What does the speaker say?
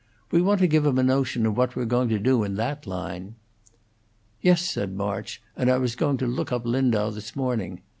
We want to give 'em a notion of what we're going to do in that line." "Yes," said March; "and I was going out to look up Lindau this morning.